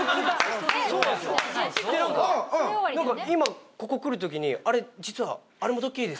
今ここ来る時にあれ実は。